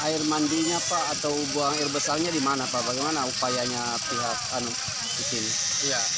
air mandinya pak atau buang air besarnya di mana pak bagaimana upayanya pihak di sini